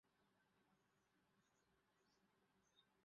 Exemplified in works such as Graeme Goldsworthy's "Gospel and Kingdom".